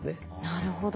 なるほど。